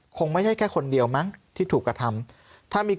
คงไม่ใช่แค่คนเดียวมั้งที่ถูกกระทำ